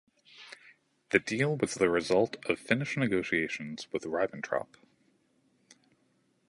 The deal was the result of Finnish negotiations with Ribbentrop.